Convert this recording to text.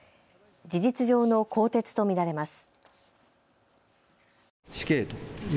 事実上の更迭と見られます。